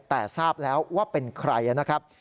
แต่ทราบแล้วว่าเป็นใครนะครับ